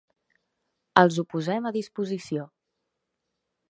Els ho posem a disposició.